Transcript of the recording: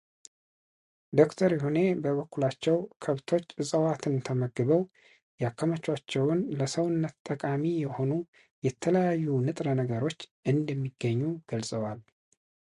ዶክተር ይሁኔ በበኩላቸው ከብቶች እጽዋትን ተመግበው ያከማቿቸውን ለሰውነት ጠቃሚ የሆኑ የተለያዩ ንጥረ ነገሮች እንደሚገኙ ገልፀዋል።